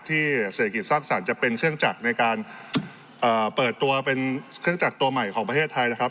เศรษฐกิจสร้างสรรค์จะเป็นเครื่องจักรในการเปิดตัวเป็นเครื่องจักรตัวใหม่ของประเทศไทยนะครับ